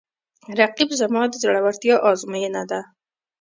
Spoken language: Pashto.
رقیب زما د زړورتیا آزموینه ده